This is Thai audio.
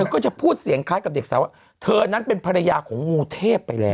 ก็จะพูดเสียงคล้ายกับเด็กสาวว่าเธอนั้นเป็นภรรยาของงูเทพไปแล้ว